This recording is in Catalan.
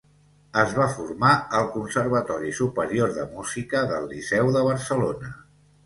Es va formar al Conservatori Superior de Música del Liceu de Barcelona.